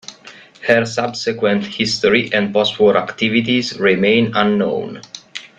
Her subsequent history and post-war activities remain unknown.